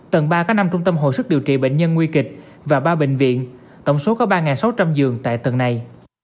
tầng ba có năm trung tâm hồi sức điều trị bệnh nhân nguy kịch và ba bệnh viện tổng số có ba sáu trăm linh giường tại tầng này